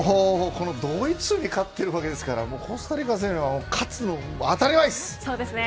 もうこのドイツに勝っているわけですからコスタリカ戦は勝つのは当たり前です。